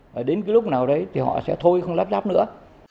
và đến cái lúc nào đấy thì họ sẽ thôi không lắp ráp nữa